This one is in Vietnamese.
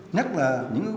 nhắc là những